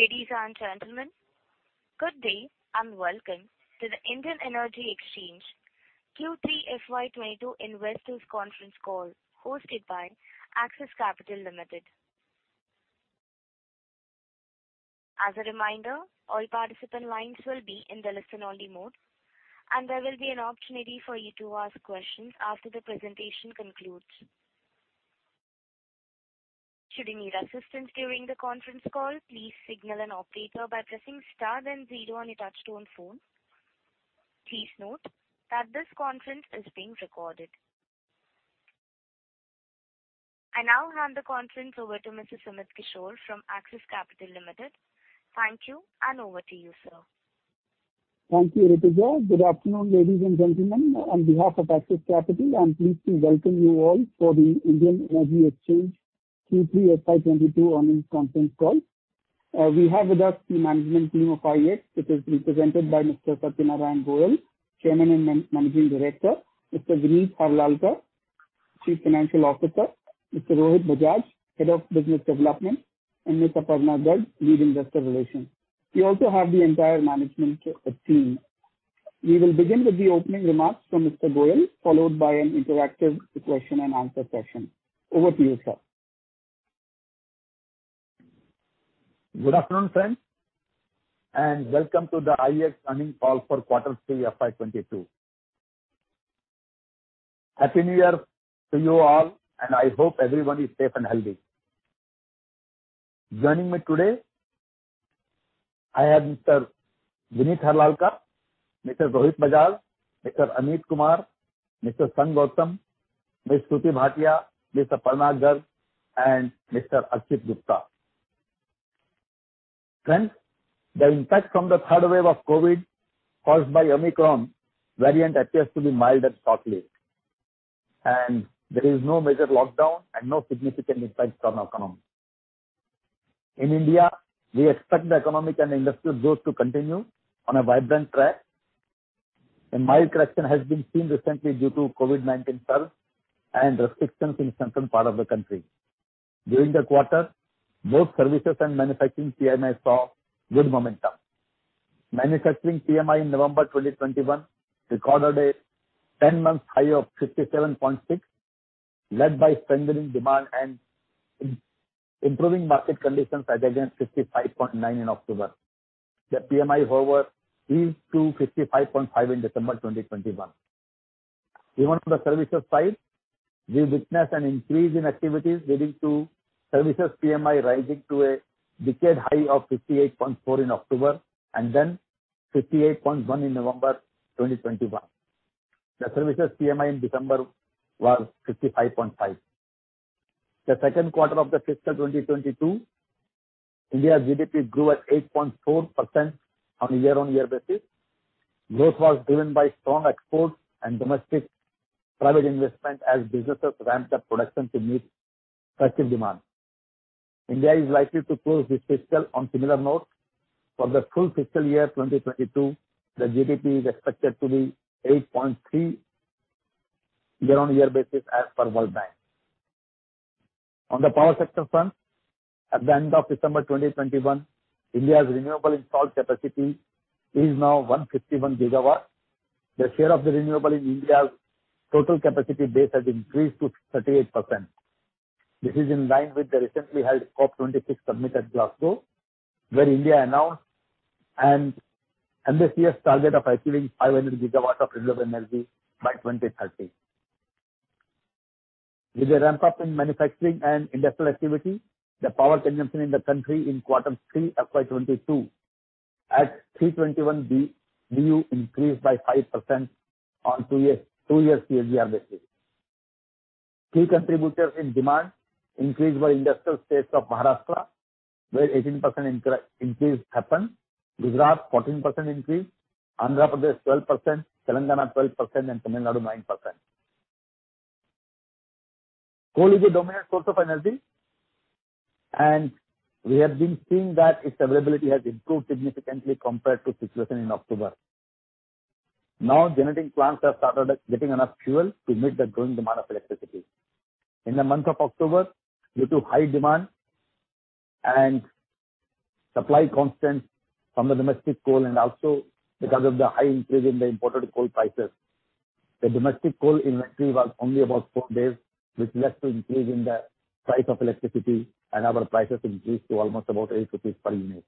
Ladies and gentlemen, good day and welcome to the Indian Energy Exchange Q3 FY 2022 investors conference call hosted by Axis Capital Limited. As a reminder, all participant lines will be in the listen only mode, and there will be an opportunity for you to ask questions after the presentation concludes. Should you need assistance during the conference call, please signal an operator by pressing star then zero on your touchtone phone. Please note that this conference is being recorded. I now hand the conference over to Mr. Sumit Kishore from Axis Capital Limited. Thank you and over to you, sir. Thank you, Ritija. Good afternoon, ladies and gentlemen. On behalf of Axis Capital, I'm pleased to welcome you all for the Indian Energy Exchange Q3 FY 2022 earnings conference call. We have with us the management team of IEX, which is represented by Mr. Satyanarayan Goel, Chairman and Managing Director, Mr. Vineet Harlalka, Chief Financial Officer, Mr. Rohit Bajaj, Head of Business Development, and Ms. Aparna Garg, Lead, Investor Relations. We also have the entire management team. We will begin with the opening remarks from Mr. Goel, followed by an interactive question and answer session. Over to you, sir. Good afternoon, friends, and welcome to the IEX earnings call for quarter 3 FY 2022. Happy New Year to you all, and I hope everyone is safe and healthy. Joining me today I have Mr. Vineet Harlalka, Mr. Rohit Bajaj, Mr. Amit Kumar, Mr. Sangh Gautam, Ms. Shruti Bhatia, Ms. Aparna Garg, and Mr. Akshay Gupta. Friends, the impact from the third wave of COVID caused by Omicron variant appears to be mild and shortly, and there is no major lockdown and no significant impact on our economy. In India, we expect the economic and industrial growth to continue on a vibrant track. A mild correction has been seen recently due to COVID-19 surge and restrictions in certain part of the country. During the quarter, both services and manufacturing PMI saw good momentum. Manufacturing PMI in November 2021 recorded a 10-month high of 67.6, led by spending demand and improving market conditions as against 55.9 in October. The PMI, however, eased to 55.5 in December 2021. Even on the services side, we witnessed an increase in activities leading to services PMI rising to a decade high of 58.4 in October and then 58.1 in November 2021. The services PMI in December was 55.5. The second quarter of the fiscal 2022, India's GDP grew at 8.4% on a year-on-year basis. Growth was driven by strong exports and domestic private investment as businesses ramped up production to meet massive demand. India is likely to close this fiscal on similar note. For the full fiscal year 2022, the GDP is expected to be 8.3% year-on-year basis as per World Bank. On the power sector front, at the end of December 2021, India's renewable installed capacity is now 151 GW. The share of the renewable in India's total capacity base has increased to 38%. This is in line with the recently held COP26 summit at Glasgow, where India announced an ambitious target of achieving 500 GW of renewable energy by 2030. With a ramp up in manufacturing and industrial activity, the power consumption in the country in Q3 FY 2022 at 321 BU increased by 5% on a two-year CAGR basis. Key contributors in demand increased by industrial states of Maharashtra, where 18% increase happened. Gujarat, 14% increase. Andhra Pradesh, 12%. Telangana, 12%, and Tamil Nadu, 9%. Coal is a dominant source of energy, and we have been seeing that its availability has improved significantly compared to situation in October. Now, generating plants have started getting enough fuel to meet the growing demand of electricity. In the month of October, due to high demand and supply constraints from the domestic coal and also because of the high increase in the imported coal prices, the domestic coal inventory was only about 4 days, which led to increase in the price of electricity and our prices increased to almost about 8 rupees per unit.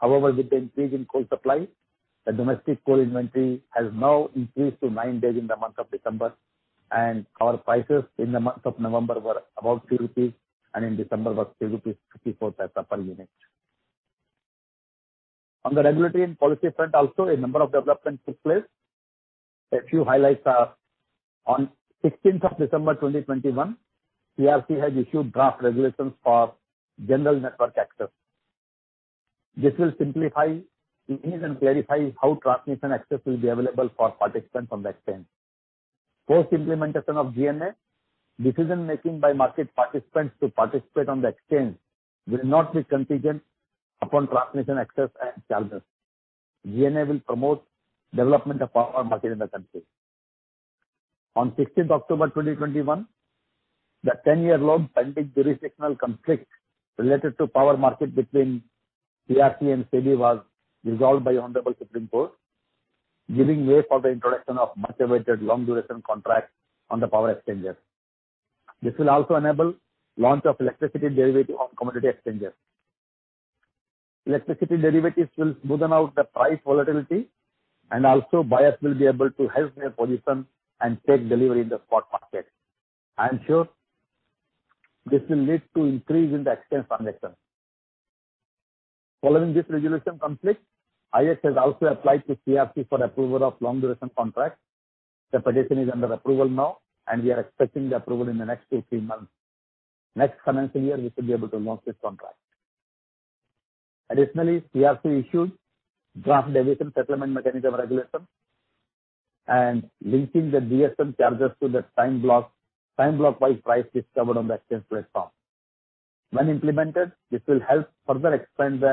However, with the increase in coal supply, the domestic coal inventory has now increased to 9 days in the month of December, and our prices in the month of November were about 2 rupees, and in December was 3.54 rupees per unit. On the regulatory and policy front also a number of developments took place. A few highlights are on the 16th of December 2021, CERC has issued draft regulations for general network access. This will simplify, ease, and clarify how transmission access will be available for participants on the exchange. Post-implementation of GNA, decision-making by market participants to participate on the exchange will not be contingent upon transmission access and charges. GNA will promote development of power market in the country. On the 16th of October 2021, the 10-year-old pending jurisdictional conflict related to power market between CERC and SEBI was resolved by Honorable Supreme Court, giving way for the introduction of much-awaited long-duration contract on the power exchanges. This will also enable launch of electricity derivative on commodity exchanges. Electricity derivatives will smoothen out the price volatility and also buyers will be able to hedge their position and take delivery in the spot market. I am sure this will lead to increase in the exchange transactions. Following this resolution of conflict, IEX has also applied to CERC for approval of long-duration contracts. The petition is under approval now, and we are expecting the approval in the next 2-3 months. Next financial year, we should be able to launch this contract. Additionally, CERC issued draft daily settlement mechanism regulation and linking the DSM charges to the time block, time block-wise price discovered on the exchange platform. When implemented, this will help further expand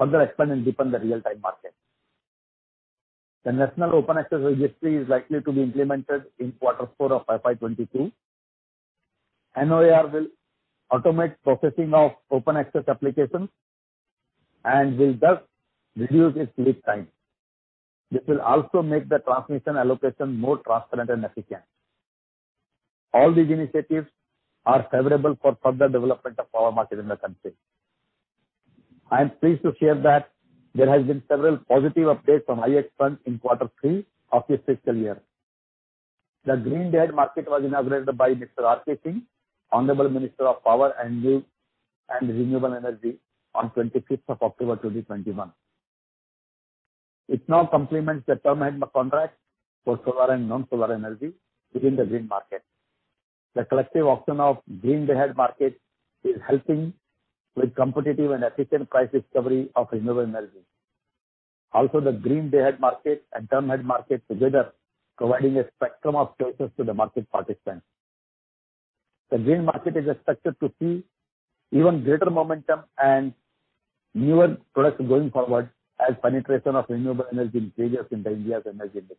and deepen the real-time market. The National Open Access Registry is likely to be implemented in quarter four of FY 2022. NOAR will automate processing of open access applications and will thus reduce its lead time. This will also make the transmission allocation more transparent and efficient. All these initiatives are favorable for further development of power market in the country. I am pleased to share that there has been several positive updates from IEX front in quarter three of this fiscal year. The Green Day-Ahead Market was inaugurated by Mr. R.K. Singh, Honorable Minister of Power and New and Renewable Energy, on 25th of October 2021. It now complements the term ahead contract for solar and non-solar energy within the green market. The collective auction of Green Day-Ahead Market is helping with competitive and efficient price discovery of renewable energy. Also, the Green Day-Ahead Market and Term Ahead Market together providing a spectrum of choices to the market participants. The green market is expected to see even greater momentum and newer products going forward as penetration of renewable energy increases in India's energy mix.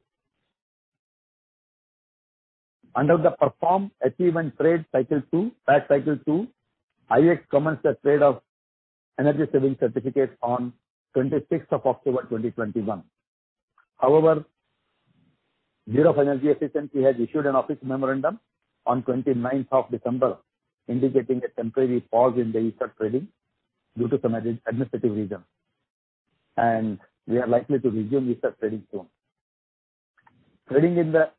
Under the Perform, Achieve and Trade Cycle II, PAT Cycle II, IEX commenced the trade of energy savings certificates on 26th of October 2021. However, Bureau of Energy Efficiency has issued an office memorandum on 29th of December, indicating a temporary pause in the ESCerts trading due to some administrative reason. We are likely to resume ESCerts trading soon. Trading in the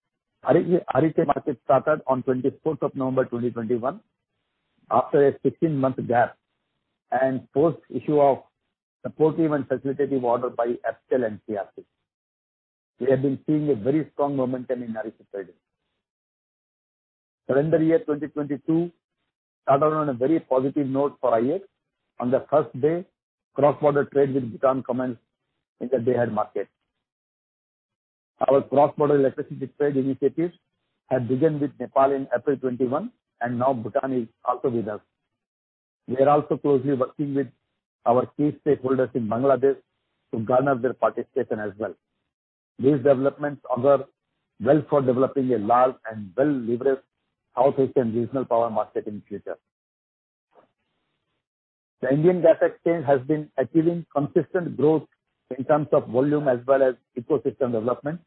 REC market started on 24th of November 2021 after a 15-month gap and post issue of supportive and facilitative order by APTEL and CERC. We have been seeing a very strong momentum in REC trading. Calendar year 2022 started on a very positive note for IEX. On the first day, cross-border trade with Bhutan commenced in the day-ahead market. Our cross-border electricity trade initiatives had begun with Nepal in April 2021, and now Bhutan is also with us. We are also closely working with our key stakeholders in Bangladesh to garner their participation as well. These developments augur well for developing a large and well-leveraged South Asian regional power market in future. The Indian Gas Exchange has been achieving consistent growth in terms of volume as well as ecosystem development.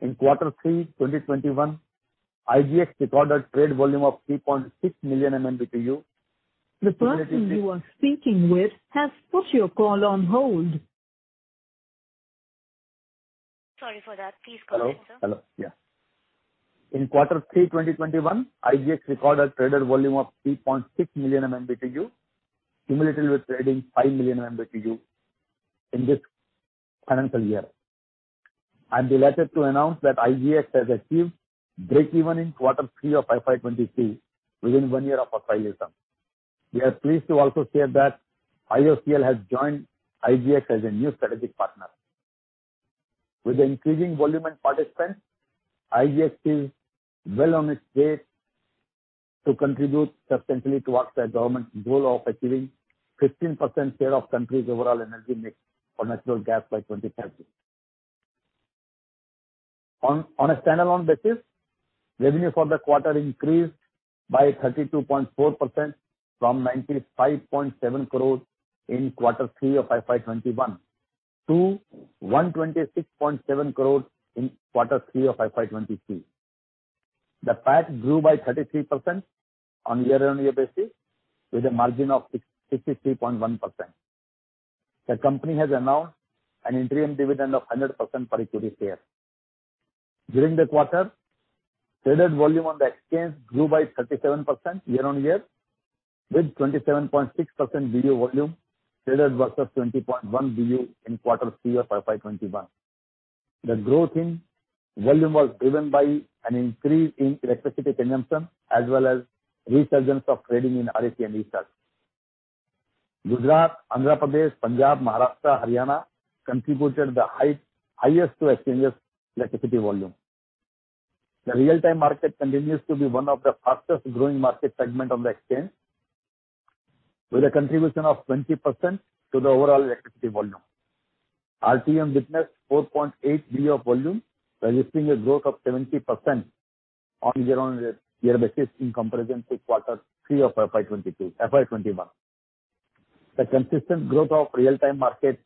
In quarter 3 2021, IGX recorded trade volume of 3.6 million MMBtu. The person you are speaking with has put your call on hold. Sorry for that. Please go ahead, sir. Hello? Hello. Yeah. In quarter three 2021, IGX recorded traded volume of 3.6 million MMBtu, cumulative with trading 5 million MMBtu in this financial year. I'm delighted to announce that IGX has achieved breakeven in quarter three of FY 2023 within one year of our commercial. We are pleased to also share that IOCL has joined IGX as a new strategic partner. With the increasing volume and participants, IGX is well on its way to contribute substantially towards the government's goal of achieving 15% share of country's overall energy mix for natural gas by 2030. On a standalone basis, revenue for the quarter increased by 32.4% from 95.7 crores in quarter three of FY 2021 to 126.7 crores in quarter three of FY 2023. The PAT grew by 33% on year-on-year basis with a margin of 663.1%. The company has announced an interim dividend of 100% for equity share. During the quarter, traded volume on the exchange grew by 37% year-on-year, with 27.6 BU volume traded versus 20.1 BU in quarter three of FY 2021. The growth in volume was driven by an increase in electricity consumption as well as resurgence of trading in REC and ESCerts. Gujarat, Andhra Pradesh, Punjab, Maharashtra, Haryana contributed the highest to exchange's electricity volume. The Real Time Market continues to be one of the fastest-growing market segment on the exchange. With a contribution of 20% to the overall electricity volume. RTM witnessed 4.8 BU of volume, registering a growth of 70% on year-on-year basis in comparison to Q3 of FY 2021. The consistent growth of real-time market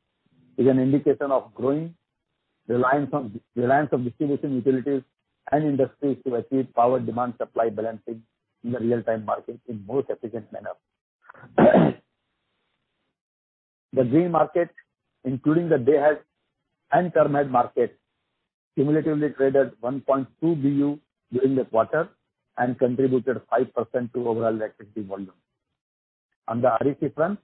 is an indication of growing reliance on distribution utilities and industries to achieve power demand supply balancing in the real-time market in most efficient manner. The green market, including the day-ahead and term market, cumulatively traded 1.2 BU during the quarter and contributed 5% to overall electricity volume. On the REC front,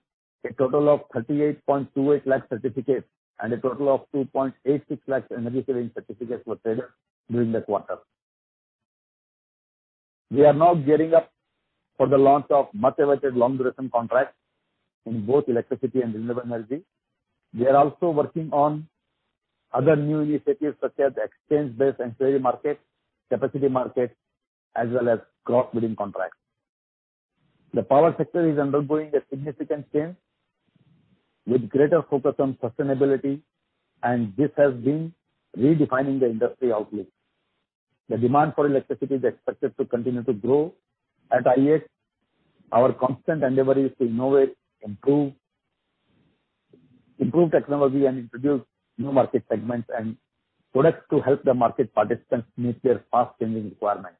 a total of 38.28 lakh certificates and a total of 2.86 lakh Energy Saving Certificates were traded during the quarter. We are now gearing up for the launch of much awaited long duration contracts in both electricity and renewable energy. We are also working on other new initiatives such as exchange-based ancillary markets, capacity markets, as well as cross-bidding contracts. The power sector is undergoing a significant change with greater focus on sustainability, and this has been redefining the industry outlook. The demand for electricity is expected to continue to grow. At IEX, our constant endeavor is to innovate, improve technology and introduce new market segments and products to help the market participants meet their fast-changing requirements.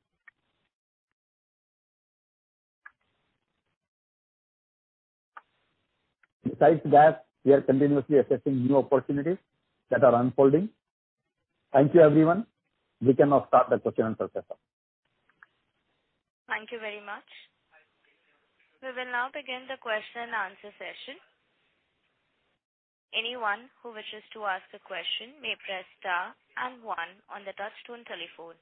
Besides that, we are continuously assessing new opportunities that are unfolding. Thank you everyone. We can now start the question and answer session. Thank you very much. We will now begin the question and answer session. Anyone who wishes to ask a question may press star and one on the touchtone telephone.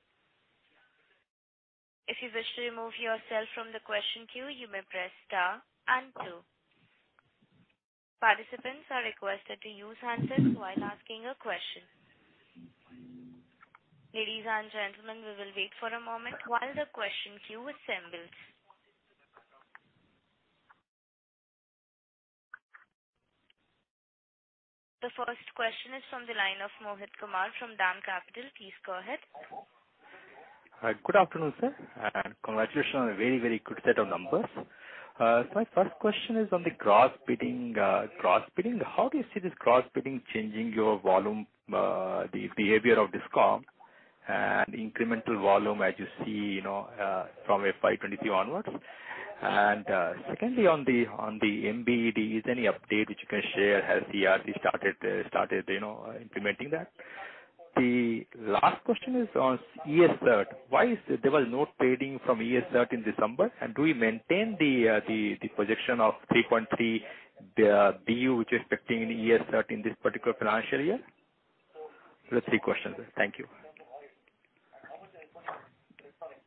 If you wish to remove yourself from the question queue, you may press star and two. Participants are requested to use handsets while asking a question. Ladies and gentlemen, we will wait for a moment while the question queue assembles. The first question is from the line of Mohit Kumar from DAM Capital. Please go ahead. Hi. Good afternoon, sir, and congratulations on a very, very good set of numbers. So my first question is on the cross-bidding. How do you see this cross-bidding changing your volume, the behavior of DISCOM and incremental volume as you see, you know, from FY 2023 onwards? Secondly, on the MBED, is there any update which you can share? Has CERC started, you know, implementing that? The last question is on ESCerts. Why was there no trading from ESCerts in December? And do we maintain the projection of 3.3 BU, which is expecting in ESCerts in this particular financial year? Those are three questions. Thank you.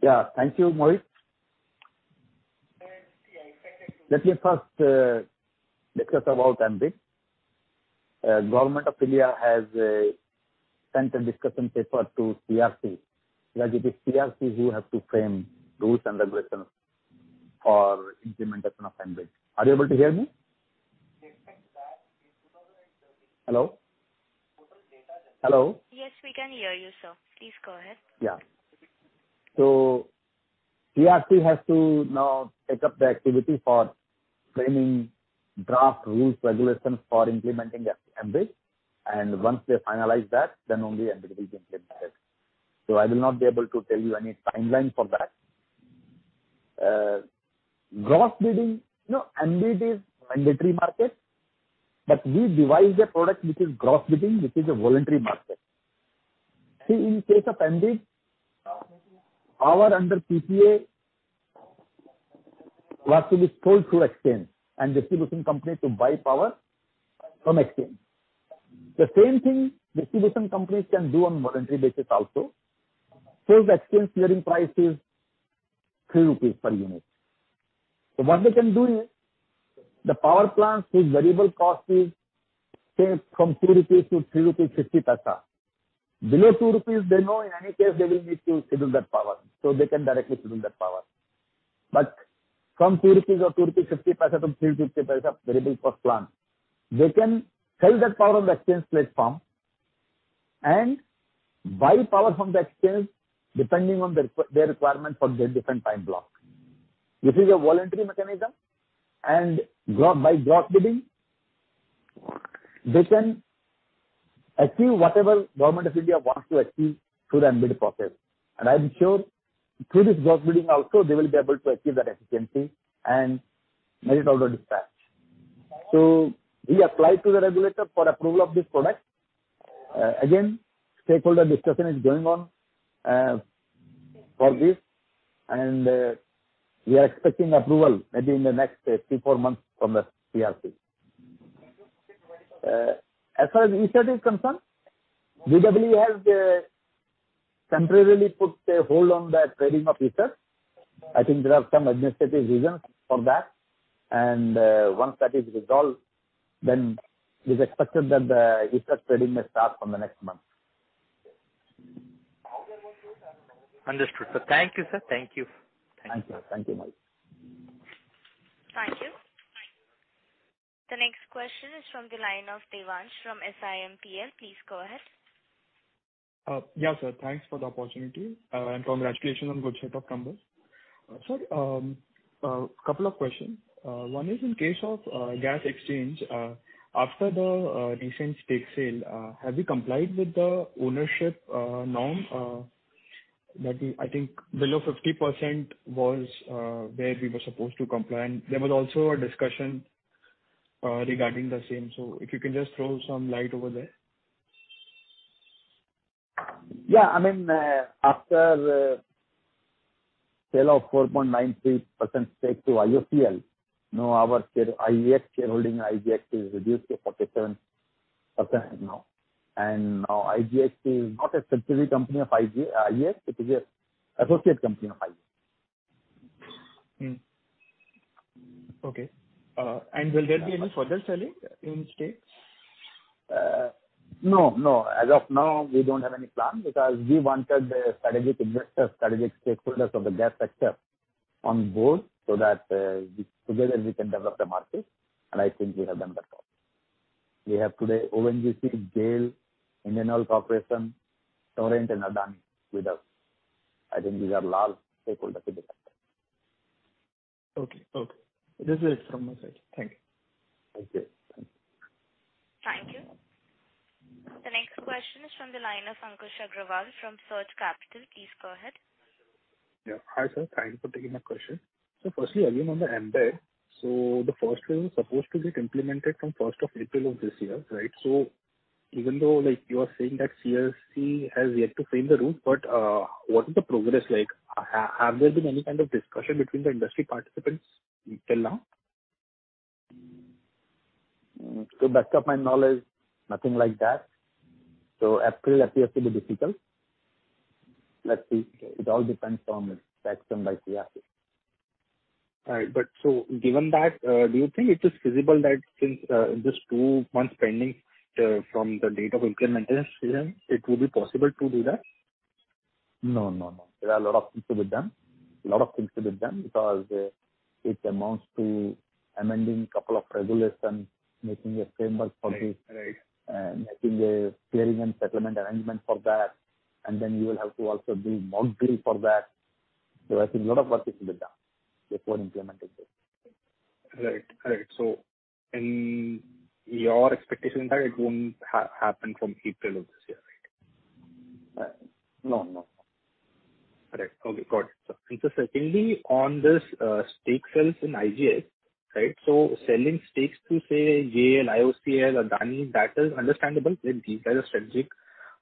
Yeah. Thank you, Mohit. Let me first discuss about MBED. Government of India has sent a discussion paper to CERC because it is CERC who has to frame rules and regulations for implementation of MBED. Are you able to hear me? Hello? Hello? Yes, we can hear you, sir. Please go ahead. Yeah. CERC has to now take up the activity for framing draft rules, regulations for implementing the MBED. Once they finalize that, only MBED will be implemented. I will not be able to tell you any timeline for that. Cross-bidding, you know, MBED is mandatory market, but we devised a product which is cross-bidding, which is a voluntary market. See, in case of MBED, power under PPA has to be sold through exchange, and distribution company to buy power from exchange. The same thing distribution companies can do on voluntary basis also. The exchange clearing price is 3 rupees per unit. What they can do is, the power plants with variable cost is say from 2 rupees to 3.50 rupees. Below 2 rupees, they know in any case they will need to schedule that power, so they can directly schedule that power. From INR 2 or 2.50 rupees to 3.50 rupees of variable cost plant, they can sell that power on the exchange platform and buy power from the exchange depending on their requirement for the different time block. This is a voluntary mechanism, and by cross-bidding, they can achieve whatever Government of India wants to achieve through the MBED process. I am sure through this cross-bidding also they will be able to achieve that efficiency and make it out of the dispatch. We applied to the regulator for approval of this product. Again, stakeholder discussion is going on for this, and we are expecting approval maybe in the next 3 or 4 months from the CERC. As far as ESCerts is concerned, BEE has temporarily put a hold on the trading of ESCerts. I think there are some administrative reasons for that. Once that is resolved, then it is expected that the ESCerts trading may start from the next month. Understood. Thank you, sir. Thank you. Thanks. Thank you, Mohit Kumar. Thank you. The next question is from the line of Devansh from SiMPL. Please go ahead. Yeah, sir. Thanks for the opportunity, and congratulations on good set of numbers. A couple of questions. One is in case of gas exchange, after the recent stake sale, have you complied with the ownership norm? That is I think below 50% was where we were supposed to comply, and there was also a discussion regarding the same. If you can just throw some light over there. Yeah. I mean, after sale of 4.93% stake to IOCL, now our IEX shareholding in IGX is reduced to 47% now. Now IGX is not a subsidiary company of IEX, it is an associate company of IEX. Will there be any further selling in stake? No, no. As of now, we don't have any plan because we wanted a strategic investors, strategic stakeholders of the gas sector on board so that we together can develop the market, and I think we have done that job. We have today ONGC, GAIL, Indian Oil Corporation, Torrent, and Adani with us. I think these are large stakeholders in the country. Okay. This is it from my side. Thank you. Thank you. Thank you. The next question is from the line of Ankush Agrawal from Surge Capital. Please go ahead. Hi, sir. Thanks for taking my question. Firstly, again, on the MBED, so the first one was supposed to get implemented from first of April of this year, right? Even though, like, you are saying that CERC has yet to frame the rule, but what is the progress like? Have there been any kind of discussion between the industry participants till now? To the best of my knowledge, nothing like that. April appears to be difficult. Let's see. It all depends on the action by CERC. All right. Given that, do you think it is feasible that since just two months pending from the date of implementation session, it will be possible to do that? No, no. There are a lot of things to be done. Lot of things to be done because it amounts to amending couple of regulations, making a framework for this. Right. Right. making a clearing and settlement arrangement for that. Then you will have to also build module for that. There are a lot of work to be done before implementing this. Right. In your expectation, it won't happen from April of this year, right? No, no. Correct. Okay. Got it. Secondly, on this, stake sales in IGX, right? Selling stakes to, say, GAIL, IOCL, Adani, that is understandable that these guys are strategic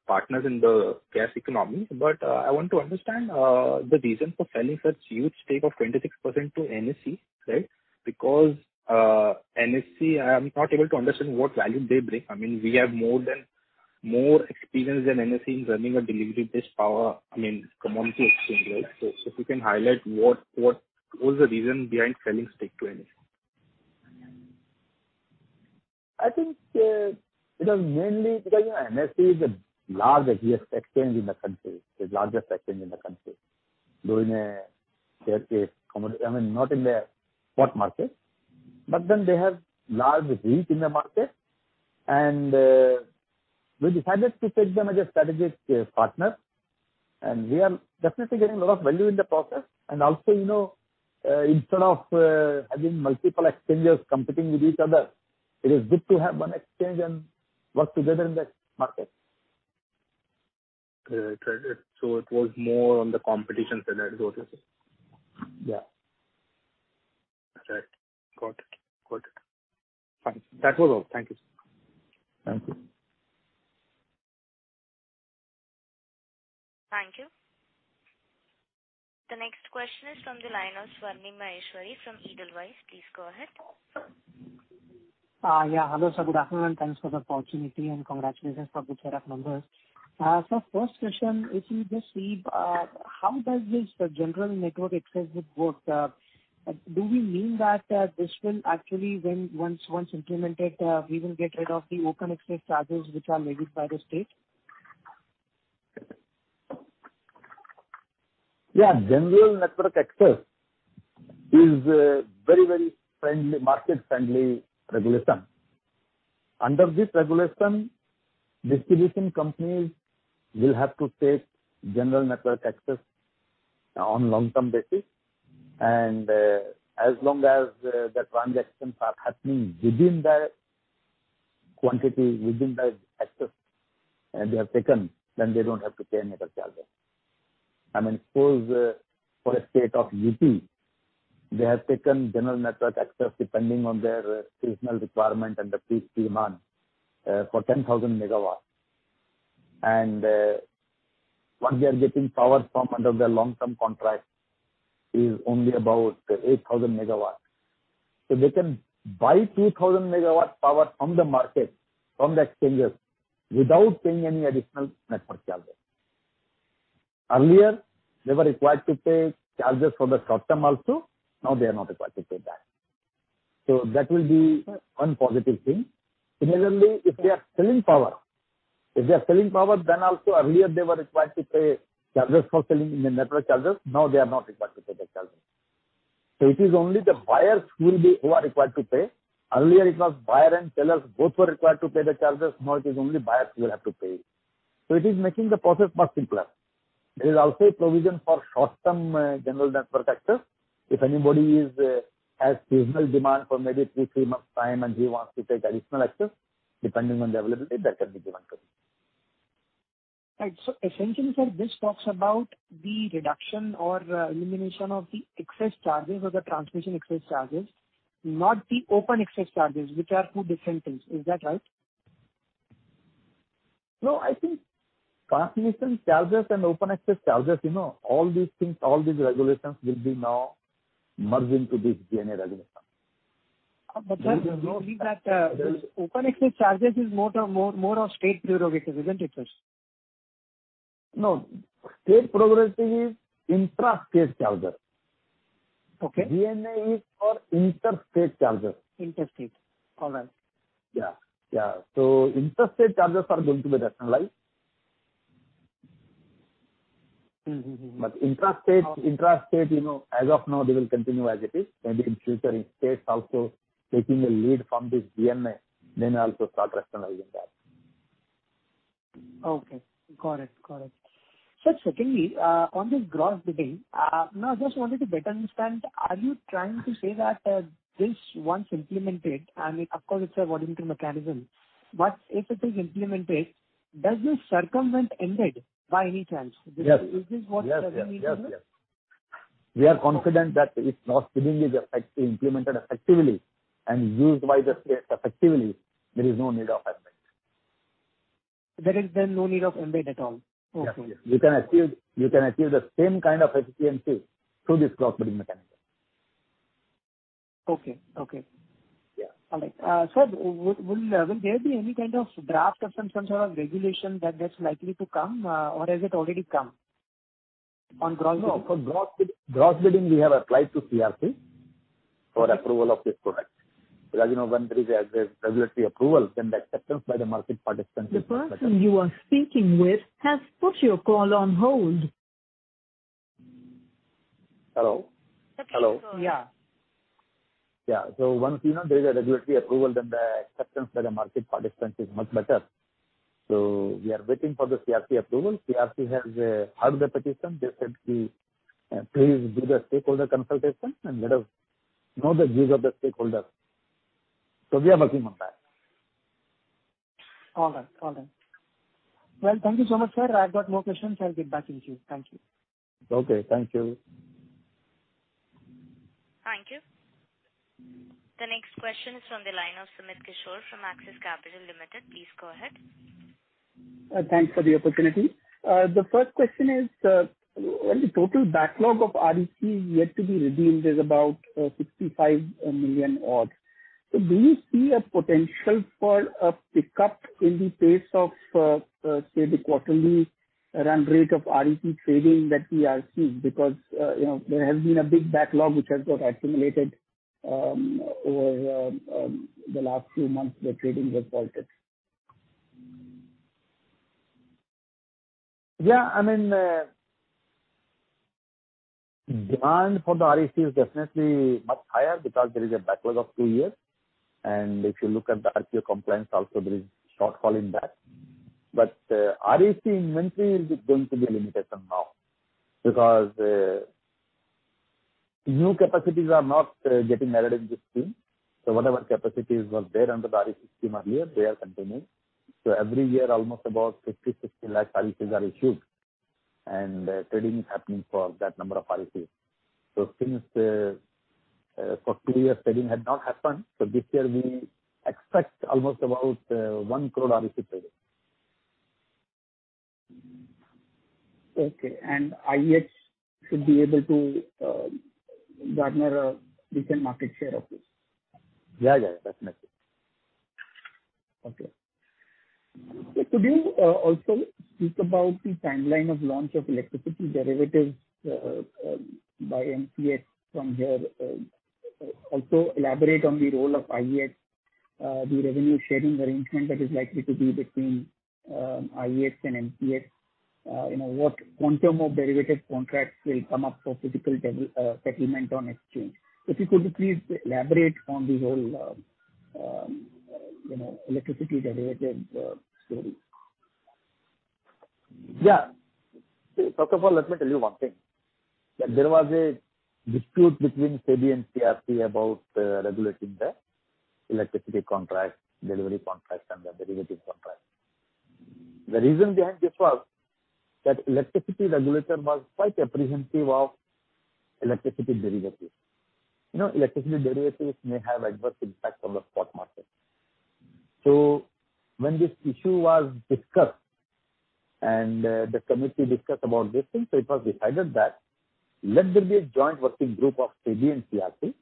partners in the gas economy. But I want to understand the reason for selling such huge stake of 26% to NSE, right? Because NSE, I am not able to understand what value they bring. I mean, we have more experience than NSE in running a delivery-based power, I mean, commodity exchange, right? If you can highlight what was the reason behind selling stake to NSE. I think, it was mainly because, you know, NSE is a large exchange in the country. The largest exchange in the country. Though in shares, currency, commodity, I mean, not in the spot market, but then they have large reach in the market. We decided to take them as a strategic partner, and we are definitely getting a lot of value in the process. Also, you know, instead of having multiple exchanges competing with each other, it is good to have one exchange and work together in that market. Correct. It was more on the competition side as opposed to. Yeah. That's right. Got it. Fine. That was all. Thank you, sir. Thank you. Thank you. The next question is from the line of Swarnim Maheshwari from Edelweiss. Please go ahead. Hello, sir. Good afternoon, and thanks for the opportunity, and congratulations for the set of numbers. First question, if you just see, how does this, the General Network Access, work? Do we mean that this will actually, once implemented, we will get rid of the open access charges which are made by the state? Yeah. General Network Access is a very, very friendly, market-friendly regulation. Under this regulation, distribution companies will have to take General Network Access on long-term basis. As long as the transactions are happening within that quantity, within that access they have taken, then they don't have to pay network charges. I mean, suppose for a state of UP, they have taken General Network Access depending on their seasonal requirement and the peak demand for 10,000 MW. What they are getting power from under their long-term contract is only about 8,000 MW. They can buy 2,000 MW power from the market, from the exchanges, without paying any additional network charges. Earlier, they were required to pay charges for the short-term also. Now they are not required to pay that. That will be one positive thing. Similarly, if they are selling power, then also earlier they were required to pay charges for selling in the network charges, now they are not required to pay the charges. It is only the buyers who are required to pay. Earlier it was buyer and sellers, both were required to pay the charges. Now it is only buyers who will have to pay. It is making the process much simpler. There is also a provision for short-term General Network Access. If anybody has seasonal demand for maybe three months time, and he wants to take additional access depending on the availability, that can be given to him. Right. Essentially, sir, this talks about the reduction or, elimination of the excess charges or the transmission excess charges, not the open excess charges, which are two different things. Is that right? No, I think transmission charges and open access charges, you know, all these things, all these regulations will be now merged into this GNA regulation. sir, knowing that, open access charges is more of state prerogative, isn't it, sir? No, state prerogative is intrastate charge. Okay. GNA is for interstate charges. Interstate. All right. Yeah, yeah. Inter-state charges are going to be rationalized. Mm-hmm. Intra-state. Okay. Intrastate, you know, as of now, they will continue as it is. Maybe in future if states also taking a lead from this GNA, then also start rationalizing that. Okay. Got it. Sir, secondly, on this Cross Bidding, now I just wanted to better understand, are you trying to say that, this once implemented, I mean, of course it's a voluntary mechanism, but if it is implemented, does this circumvent MBED by any chance? Yes. Is this what- Yes, yes. Yes, yes. You're meaning here? We are confident that if Cross Bidding is effectively implemented and used by the states effectively, there is no need of MBED. There is no need of MBED at all. Okay. Yes, yes. You can achieve the same kind of efficiency through this Cross Bidding mechanism. Okay. Okay. Yeah. All right. Will there be any kind of draft or some sort of regulation that's likely to come, or has it already come on Cross Bidding? No, for gross bid, Cross Bidding we have applied to CERC for approval of this product. Because, you know, when there is a regulatory approval, then the acceptance by the market participants is much better. The person you are speaking with has put your call on hold. Hello? Okay. Hello. Yeah. Yeah. Once, you know, there is a regulatory approval, then the acceptance by the market participants is much better. We are waiting for the CERC approval. CERC has heard the petition. They said to please do the stakeholder consultation and let us know the views of the stakeholder. We are working on that. All right. Well, thank you so much, sir. I've got more questions. I'll get back with you. Thank you. Okay, thank you. Thank you. The next question is from the line of Sumit Kishore from Axis Capital Limited. Please go ahead. Thanks for the opportunity. The first question is, well, the total backlog of REC yet to be redeemed is about 65 million odd. So do you see a potential for a pickup in the pace of, say the quarterly run rate of REC trading that we are seeing? Because, you know, there has been a big backlog which has got accumulated over the last few months the trading was halted. Yeah, I mean, demand for the REC is definitely much higher because there is a backlog of 2 years. If you look at the RPO compliance also there is shortfall in that. REC inventory is going to be limited somehow because new capacities are not getting added in this scheme. Whatever capacities was there under the REC scheme earlier, they are continuing. Every year, almost about 50, 60 lakh RECs are issued, and trading is happening for that number of RECs. Since for 2 years trading had not happened, so this year we expect almost about 1 crore REC trading. Okay. IEX should be able to garner a decent market share of this? Yeah, yeah. Definitely. Okay. Could you also speak about the timeline of launch of electricity derivatives by MCX from here? Also elaborate on the role of IEX, the revenue sharing arrangement that is likely to be between IEX and MCX. You know, what quantum of derivatives contracts will come up for physical settlement on exchange? If you could please elaborate on the whole, you know, electricity derivatives story. Yeah. First of all, let me tell you one thing, that there was a dispute between SEBI and CERC about regulating the electricity contract, delivery contract, and the derivative contract. The reason behind this was that electricity regulator was quite apprehensive of electricity derivatives. You know, electricity derivatives may have adverse impact on the spot market. When this issue was discussed and the committee discussed about this thing, it was decided that let there be a joint working group of SEBI and CERC,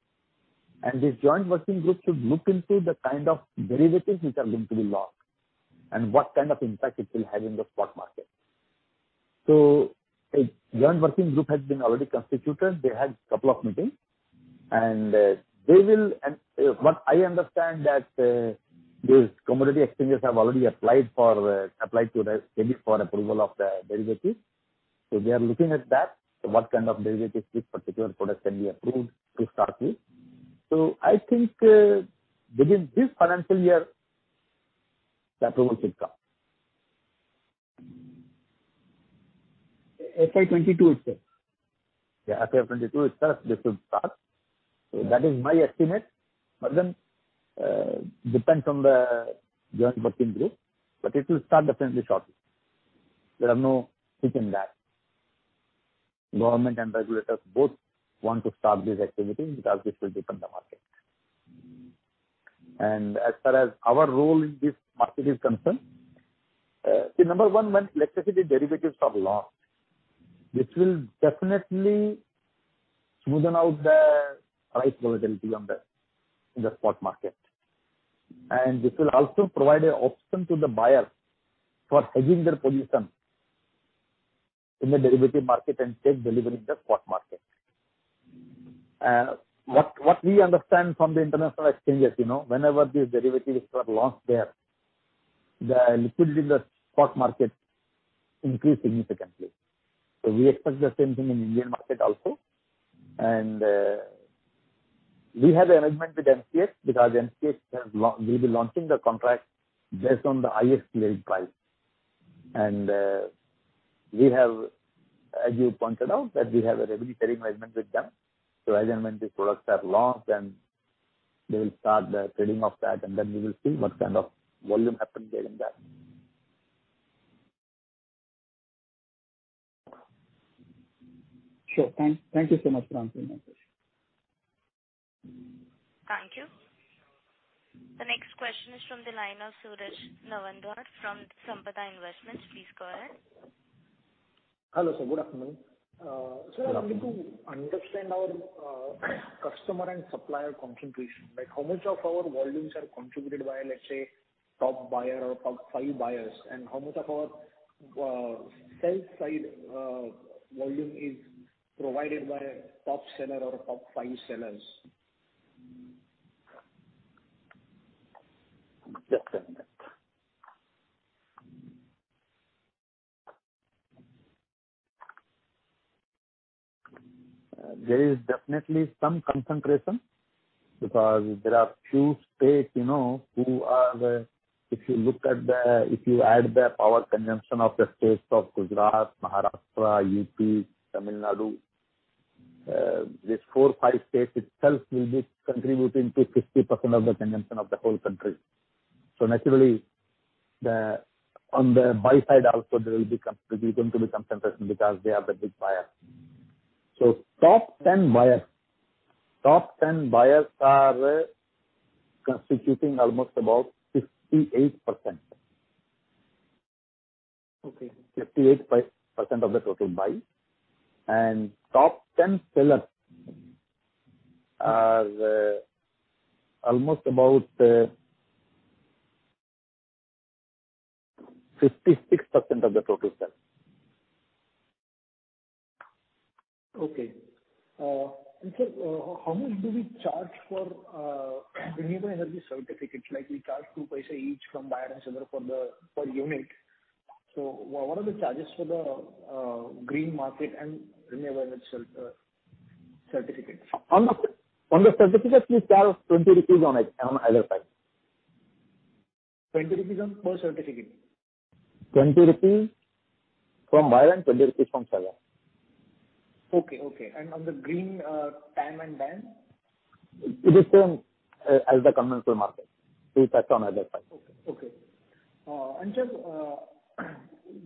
and this joint working group should look into the kind of derivatives which are going to be launched and what kind of impact it will have in the spot market. A joint working group has been already constituted. They had couple of meetings, and they will. What I understand that those commodity exchanges have already applied to the SEBI for approval of the derivatives. They are looking at that. What kind of derivatives this particular product can be approved to start with. I think within this financial year, the approval should come. FY 2022 itself? Yeah, FY 2022 itself this will start. That is my estimate, but then, depends on the joint working group, but it will start definitely shortly. There are no hitch in that. Government and regulators both want to start this activity because this will deepen the market. As far as our role in this market is concerned, see, number one, when electricity derivatives are launched, this will definitely smoothen out the price volatility in the spot market. This will also provide an option to the buyer for hedging their position in the derivative market and take delivery in the spot market. What we understand from the international exchanges, you know, whenever these derivatives were launched there, the liquidity in the spot market increased significantly. We expect the same thing in Indian market also. We have an arrangement with MCX, because MCX will be launching the contract based on the highest grade price. We have, as you pointed out, that we have a revenue sharing arrangement with them. As and when these products are launched, then they will start the trading of that, and then we will see what kind of volume happens there in that. Sure. Thank you so much for answering my question. Thank you. The next question is from the line of Suraj Nawandhar from Sampada Investments. Please go ahead. Hello, sir. Good afternoon. I'm looking to understand our customer and supplier concentration. Like, how much of our volumes are contributed by, let's say, top buyer or top five buyers? How much of our sell side volume is provided by top seller or top five sellers? Just a minute. There is definitely some concentration because there are few states who are the. If you add the power consumption of the states of Gujarat, Maharashtra, U.P., Tamil Nadu, these 4, 5 states itself will be contributing to 60% of the consumption of the whole country. Naturally, on the buy side also there's going to be concentration because they are the big buyer. Top 10 buyers are constituting almost about 58%. Okay. 58% of the total buy. Top 10 sellers are almost about 56% of the total sell. Okay. Sir, how much do we charge for renewable energy certificates? Like we charge 2 paise each from buyer and seller per unit. What are the charges for the green market and renewable energy certificates? On the certificates we charge 20 rupees on either side. 20 rupees per certificate? 20 rupees from buyer and 20 rupees from seller. Okay, on the green TAM and DAM? It is same as the conventional market. We charge on either side. Sir,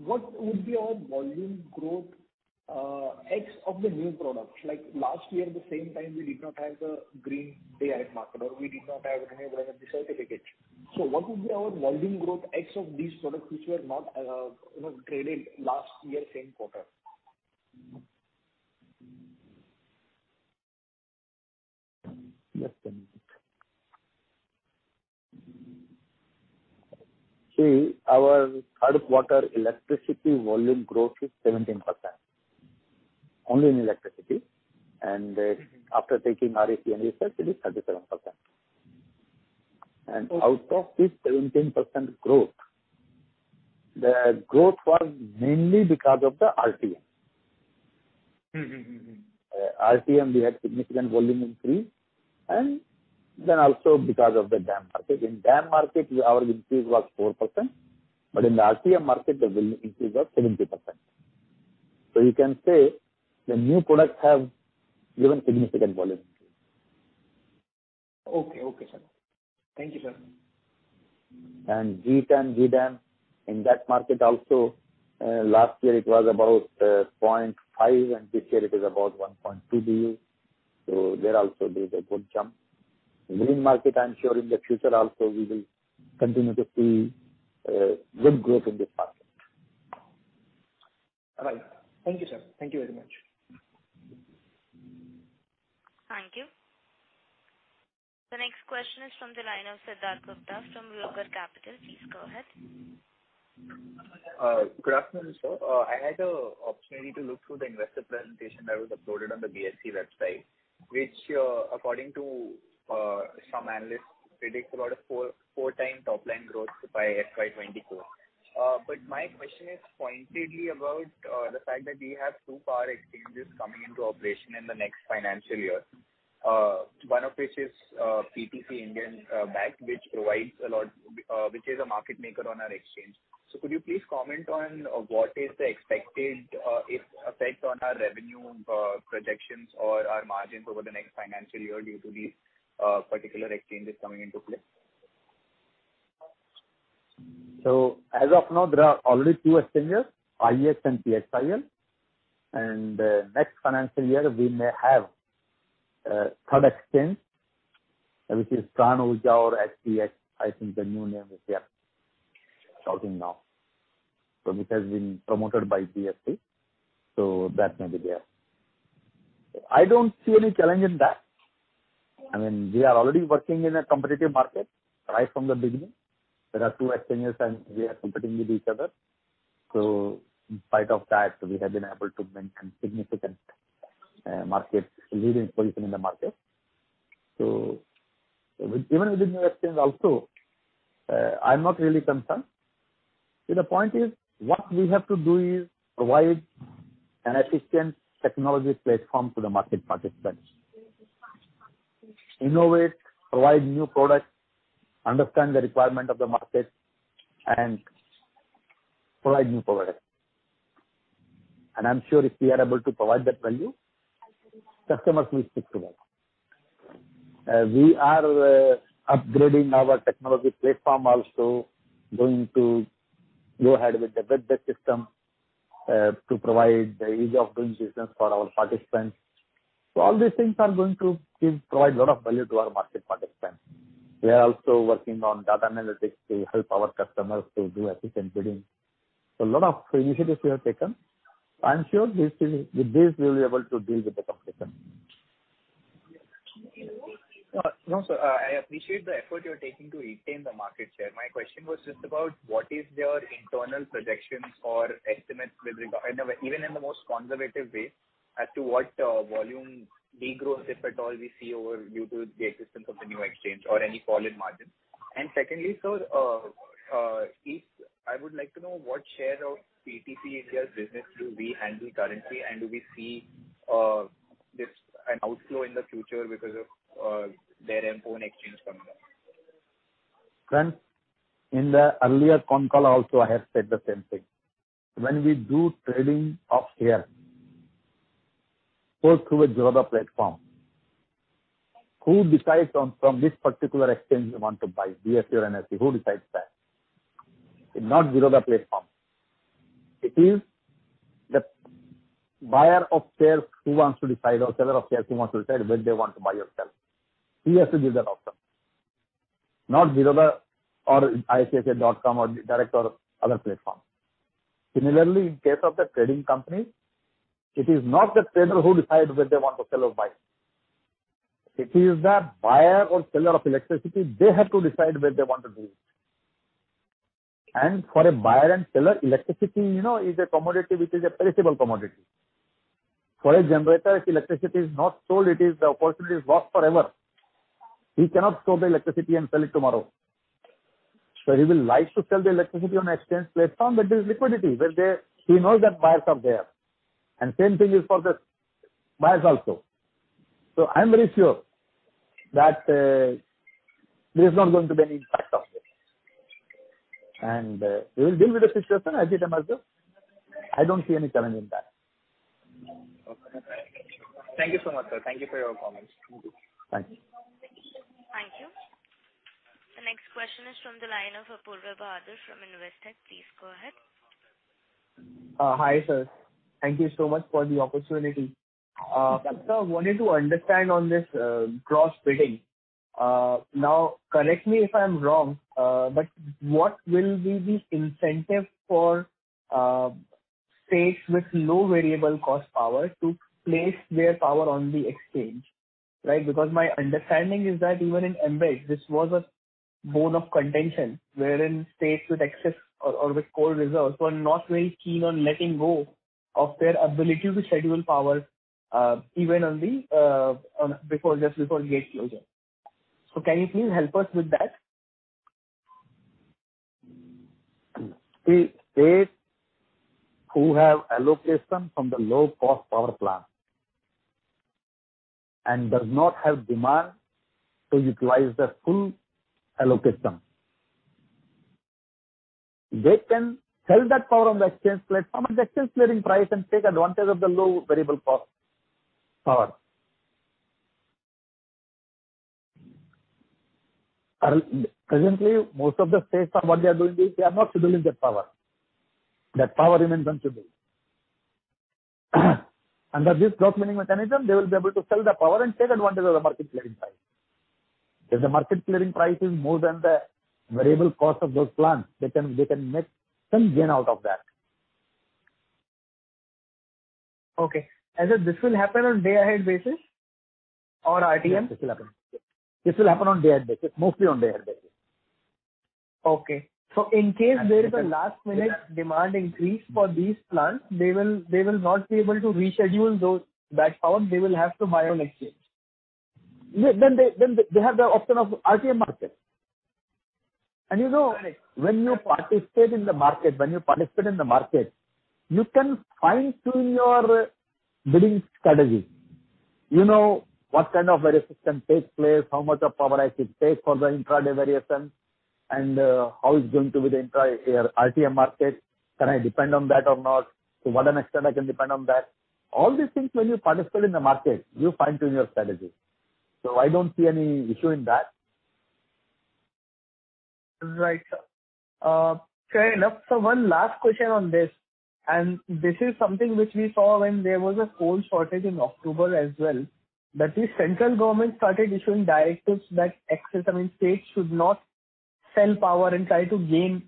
what would be our volume growth ex of the new products? Like last year the same time we did not have the Green Day Ahead Market or we did not have renewable energy certificates. What would be our volume growth ex of these products which were not traded last year same quarter? Just a minute. See, our third quarter electricity volume growth is 17%, only in electricity. After taking REC and ESCerts, it is 37%. Out of this 17% growth, the growth was mainly because of the RTM. Mm-hmm. RTM we had significant volume increase and then also because of the DAM market. In DAM market our increase was 4%, but in the RTM market the volume increase was 70%. You can say the new products have given significant volume increase. Okay. Okay, sir. Thank you, sir. GTAM, GDAM in that market also, last year it was about 0.5, and this year it is about 1.2 BU. There also is a good jump. Green market, I'm sure in the future also we will continue to see good growth in this market. All right. Thank you, sir. Thank you very much. Thank you. The next question is from the line of Siddharth Gupta from Rucker Capital. Please go ahead. Good afternoon, sir. I had the opportunity to look through the investor presentation that was uploaded on the BSE website, which, according to some analysts, predicts about four times top line growth by FY 2024. My question is pointedly about the fact that we have two power exchanges coming into operation in the next financial year. One of which is PTC India, which is a market maker on our exchange. Could you please comment on what is the expected effect on our revenue projections or our margins over the next financial year due to these particular exchanges coming into play? As of now, there are already two exchanges, IEX and PXIL. Next financial year, we may have a third exchange, which is Pranurja or HPX. I think the new name is there starting now. Which has been promoted by BSE, that may be there. I don't see any challenge in that. I mean, we are already working in a competitive market right from the beginning. There are two exchanges and we are competing with each other. In spite of that, we have been able to maintain significant market leading position in the market. Even with the new exchange also, I'm not really concerned. See the point is, what we have to do is provide an efficient technology platform to the market participants. Innovate, provide new products, understand the requirement of the market and provide new products. I'm sure if we are able to provide that value, customers will stick to us. We are upgrading our technology platform, also going to go ahead with the system to provide the ease of doing business for our participants. All these things are going to provide a lot of value to our market participants. We are also working on data analytics to help our customers to do efficient bidding. A lot of initiatives we have taken. I'm sure this is, with this we will be able to deal with the competition. No, no, sir. I appreciate the effort you are taking to retain the market share. My question was just about what is your internal projections or estimates with regard even in the most conservative way as to what volume de-growth, if at all, we see over the year due to the existence of the new exchange or any fall in margin. Secondly, sir, I would like to know what share of PTC India's business do we handle currently, and do we see this as an outflow in the future because of their new exchange coming up? In the earlier concall also, I have said the same thing. When we do trading of share go through a Zerodha platform, who decides on from this particular exchange they want to buy BSE or NSE, who decides that? It's not Zerodha platform. It is the buyer of shares who wants to decide or seller of shares who wants to decide when they want to buy or sell. He has to give that option. Not Zerodha or ICICIdirect.com or other platform. Similarly, in case of the trading company, it is not the trader who decides whether they want to sell or buy. It is the buyer or seller of electricity, they have to decide where they want to do it. For a buyer and seller, electricity, you know, is a commodity, which is a perishable commodity. For a generator, if electricity is not sold, the opportunity is lost forever. He cannot store the electricity and sell it tomorrow. He will like to sell the electricity on exchange platform where there is liquidity, where he knows that buyers are there. Same thing is for the buyers also. I'm very sure that, there's not going to be any impact of this. We will deal with the situation as it emerges. I don't see any challenge in that. Okay. Thank you so much, sir. Thank you for your comments. Thank you. Thank you. The next question is from the line of Apoorva Bahadur from Investec. Please go ahead. Hi, sir. Thank you so much for the opportunity. But sir, I wanted to understand on this Cross Bidding. Now, correct me if I'm wrong, but what will be the incentive for states with low variable cost power to place their power on the exchange? Right. Because my understanding is that even in MBED, this was a bone of contention wherein states with excess or with coal reserves were not very keen on letting go of their ability to schedule power even just before gate closure. Can you please help us with that? See, states who have allocation from the low cost power plant and does not have demand to utilize the full allocation, they can sell that power on the exchange platform at the exchange clearing price and take advantage of the low variable cost power. Presently, most of the states what they are doing is they are not scheduling that power. That power remains unscheduled. Under this gross mechanism, they will be able to sell the power and take advantage of the market clearing price. If the market clearing price is more than the variable cost of those plants, they can make some gain out of that. Okay. Will this happen on day-ahead basis or RTM? Yes, this will happen. This will happen on day ahead basis, mostly on day ahead basis. In case there is a last-minute demand increase for these plants, they will not be able to reschedule those banked power. They will have to buy on Exchange. They have the option of RTM market. You know, when you participate in the market, you can fine-tune your bidding strategy. You know what kind of variation can take place, how much of power I should take for the intraday variation, and how it's going to be the RTM market. Can I depend on that or not? To what extent I can depend on that? All these things when you participate in the market, you fine-tune your strategy. I don't see any issue in that. Right. Fair enough. One last question on this, and this is something which we saw when there was a coal shortage in October as well, that the central government started issuing directives that excess, I mean, states should not sell power and try to gain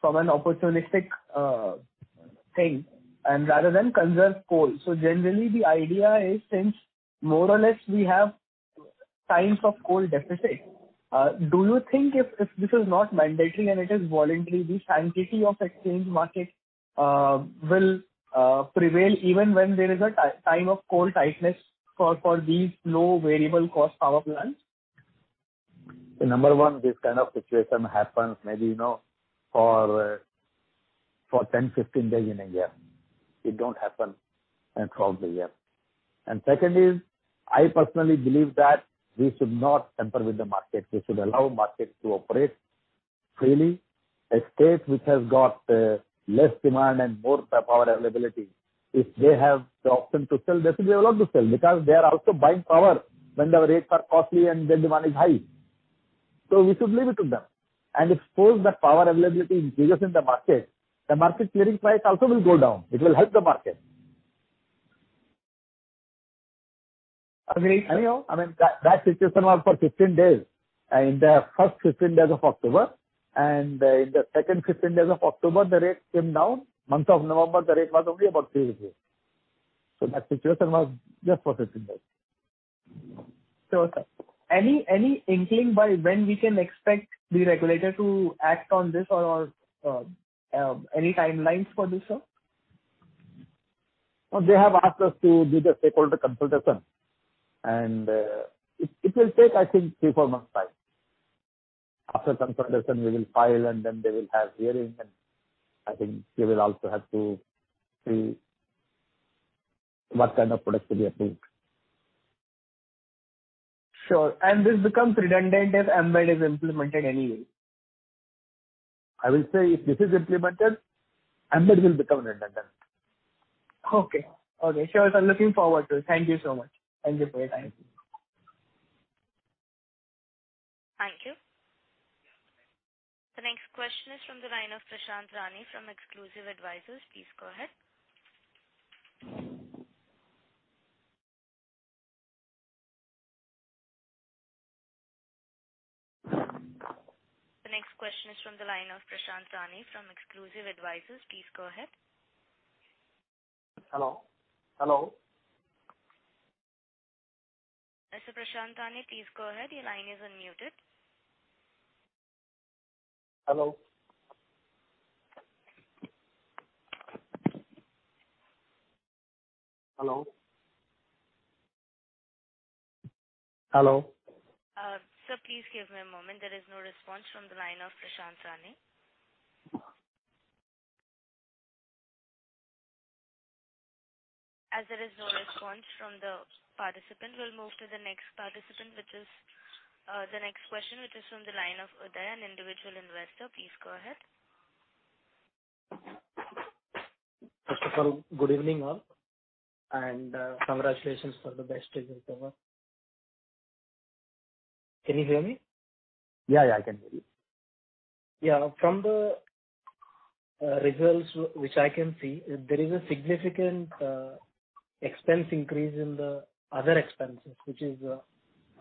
from an opportunistic thing and rather than conserve coal. Generally the idea is since more or less we have times of coal deficit, do you think if this is not mandating and it is voluntary, the sanctity of exchange market will prevail even when there is a time of coal tightness for these low variable cost power plants? Number one, this kind of situation happens maybe, you know, for 10, 15 days in a year. It don't happen throughout the year. Second is, I personally believe that we should not tamper with the market. We should allow market to operate freely. A state which has got less demand and more power availability, if they have the option to sell, they should be allowed to sell because they are also buying power when the rates are costly and the demand is high. We should leave it to them. If suppose that power availability increases in the market, the market clearing price also will go down. It will help the market. I mean. Anyhow, I mean, that situation was for 15 days, in the first 15 days of October, and in the second 15 days of October, the rates came down. In the month of November, the rate was only about 3 rupees. That situation was just for 15 days. Sure, sir. Any inkling by when we can expect the regulator to act on this or any timelines for this, sir? Well, they have asked us to do the stakeholder consultation and, it will take, I think, 3-4 months time. After consultation, we will file, and then they will have hearing, and I think we will also have to see what kind of products we are doing. Sure. This becomes redundant if MBED is implemented anyway. I will say if this is implemented, MBED will become redundant. Okay. Okay, sure, sir. Looking forward to it. Thank you so much. Thank you for your time. Thank you. The next question is from the line of Prashant Rane from Exclusive Advisors. Please go ahead. Hello? Mr. Prashant Rane, please go ahead. Your line is unmuted. Hello? Sir, please give me a moment. There is no response from the line of Prashant Rane. As there is no response from the participant, we'll move to the next participant, which is the next question, which is from the line of Udan, an individual investor. Please go ahead. First of all, good evening all, and congratulations for the best results ever. Can you hear me? Yeah, yeah, I can hear you. Yeah. From the results which I can see, there is a significant expense increase in the other expenses, which is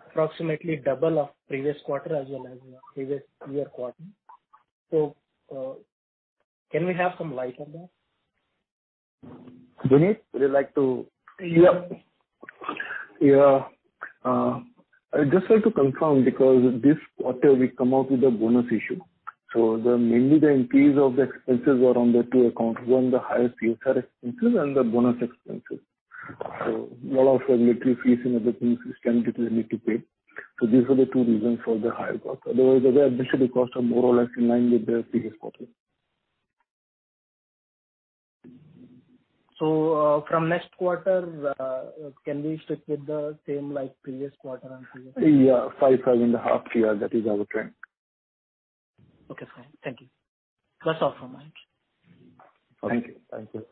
approximately double of previous quarter as well as previous year quarter. Can we have some light on that? Vineet Harlalka, would you like to- I just like to confirm because this quarter we come out with a bonus issue. The mainly the increase of the expenses were on the two accounts. One, the higher CSR expenses and the bonus expenses. Lot of regulatory fees and other things which we need to pay. These are the two reasons for the higher cost. Otherwise, the rest basically cost are more or less in line with the previous quarter. From next quarter, can we stick with the same like previous quarter and previous- Yeah, 5,000 and a half year. That is our trend. Okay, fine. Thank you. That's all from my end. Thank you. Thank you.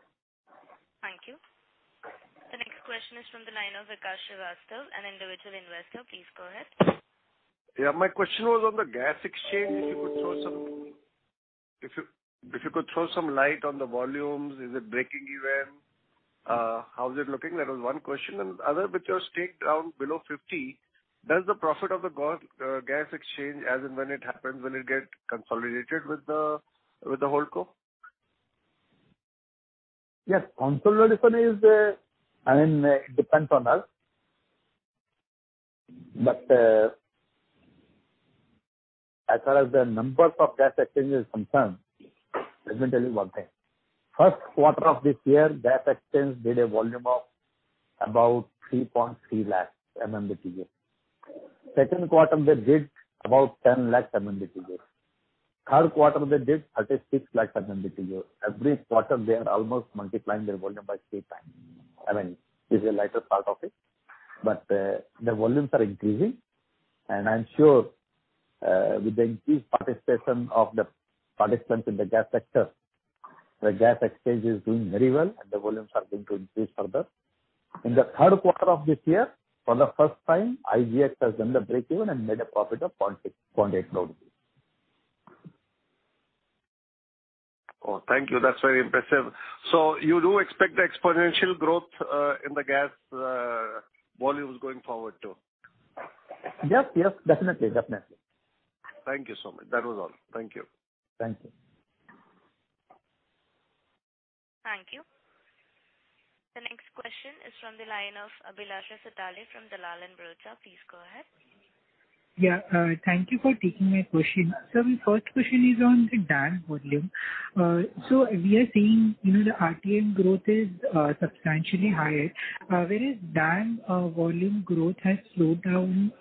Thank you. The next question is from the line of Akash Srivastava, an individual investor. Please go ahead. Yeah. My question was on the gas exchange. If you could throw some light on the volumes. Is it breaking even? How is it looking? That was one question. The other, with your stake down below 50. Does the profit of the gas exchange as and when it happens, will it get consolidated with the holdco? Yes. Consolidation is, I mean, it depends on us. As far as the numbers of IGX is concerned, let me tell you one thing. First quarter of this year, IGX did a volume of about 3.3 lakh MMBtu. Second quarter, they did about 10 lakh MMBtu. Third quarter they did 36 lakh MMBtu. Every quarter they are almost multiplying their volume by three times. I mean, this is a lighter part of it, but the volumes are increasing. I'm sure, with the increased participation of the participants in the gas sector, IGX is doing very well and the volumes are going to increase further. In the third quarter of this year, for the first time, IGX has done the break even and made a profit of 0.8 crore. Oh, thank you. That's very impressive. You do expect exponential growth in the gas volumes going forward too? Yes. Definitely. Thank you so much. That was all. Thank you. Thank you. Thank you. The next question is from the line of Abhilasha Satale from Dalal & Broacha. Please go ahead. Yeah. Thank you for taking my question. My first question is on the DAM volume. We are seeing, you know, the RTM growth is substantially higher, whereas DAM volume growth has slowed down,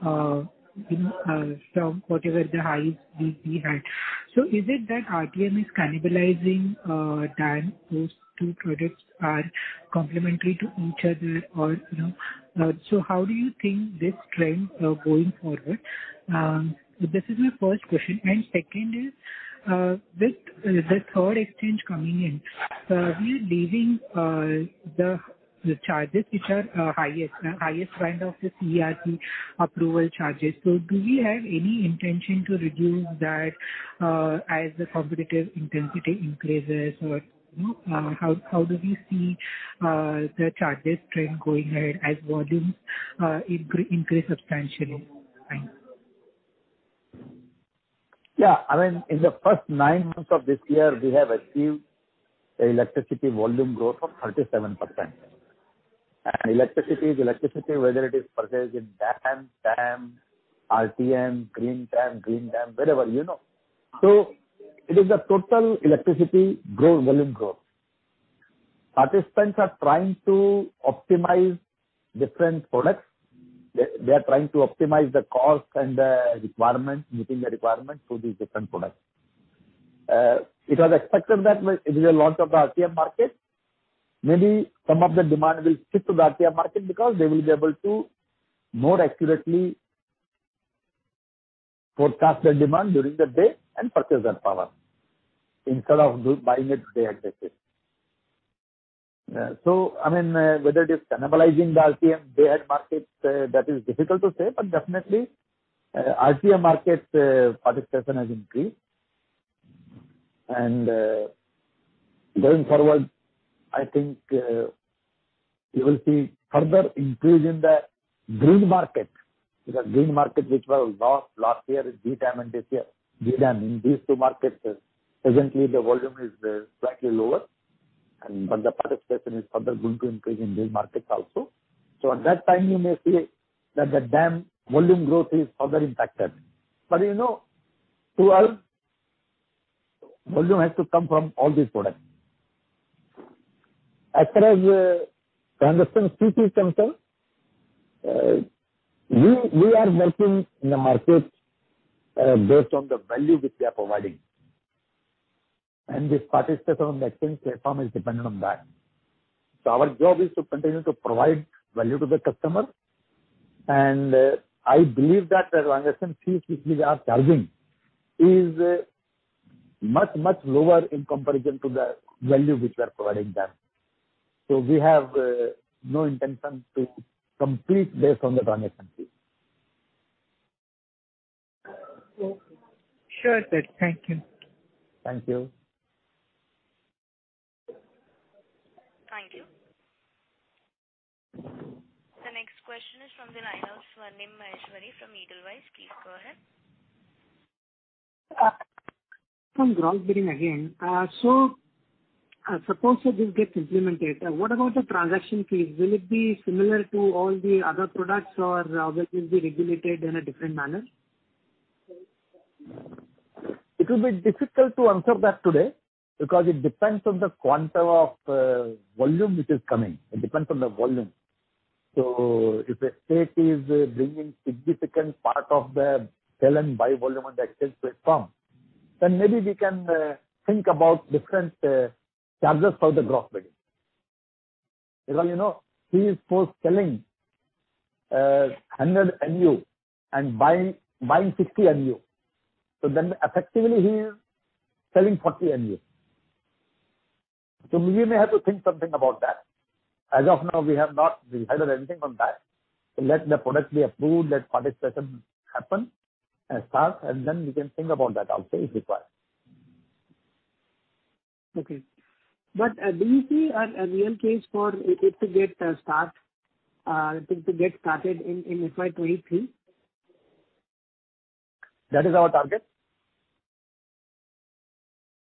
you know, from whatever the highs we've left behind. Is it that RTM is cannibalizing DAM, those two products are complementary to each other or, you know? How do you think this trend going forward? This is my first question. Second is, with the third exchange coming in, we are levying the charges which are highest kind of the CERC approval charges. Do we have any intention to reduce that, as the competitive intensity increases? You know, how do we see the charges trend going ahead as volumes increase substantially? Thanks. Yeah. I mean, in the first 9 months of this year, we have achieved an electricity volume growth of 37%. Electricity is electricity, whether it is purchased in DAM, RTM, Green DAM, wherever you know. It is the total electricity volume growth. Participants are trying to optimize different products. They are trying to optimize the cost and the requirement, meeting the requirement through these different products. It was expected that with the launch of the RTM market, maybe some of the demand will shift to the RTM market because they will be able to more accurately forecast their demand during the day and purchase that power instead of buying it day-ahead basis. I mean, whether it is cannibalizing the RTM day-ahead markets, that is difficult to say. Definitely, RTM market participation has increased. Going forward, I think you will see further increase in the Green market. Because Green market, which was launched last year is GDAM, and this year GDAM. In these two markets, presently the volume is slightly lower, but the participation is further going to increase in these markets also. At that time you may see that the DAM volume growth is further impacted. You know, to us, volume has to come from all these products. As far as transaction fees is concerned, we are working in the market based on the value which we are providing, and this participation on the exchange platform is dependent on that. Our job is to continue to provide value to the customer. I believe that the transaction fees which we are charging is much, much lower in comparison to the value which we are providing them. We have no intention to compete based on the transaction fees. Okay. Sure, sir. Thank you. Thank you. Thank you. The next question is from the line of Swarnim Maheshwari from Edelweiss. Please go ahead. From Cross Bidding again. Suppose this gets implemented, what about the transaction fees? Will it be similar to all the other products or will it be regulated in a different manner? It will be difficult to answer that today because it depends on the quantum of volume which is coming. It depends on the volume. If the state is bringing significant part of the sell and buy volume on the exchange platform, then maybe we can think about different charges for the Cross Bidding. Because, you know, he is supposed selling 100 MU and buying 60 MU. Then effectively he is selling 40 MU. We may have to think something about that. As of now, we have not decided anything on that. Let the product be approved, let participation happen and start, and then we can think about that also if required. Okay. Do you see a real case for it to get started in FY 2023? That is our target.